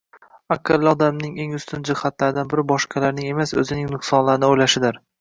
Aqlli odamning eng ustun jihatlaridan biri boshqalarning emas, o‘zining nuqsonlarini o‘ylashidir.